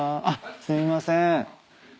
あっすいません。